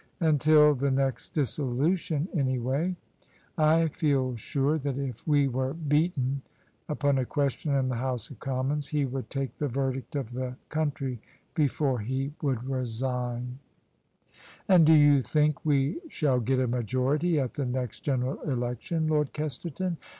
" Until the next Dissolution anyway. I feel sure that if we were beaten upon a question in the House of Commons, he would take the verdict of the country before he would resign." OF ISABEL CARNABY " And do you think we shall get a majority at the next General Election, Lord Kesterton